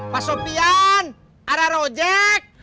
pak sofian ada rojek